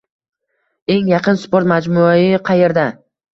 Eng yaqin sport majmui qayerda?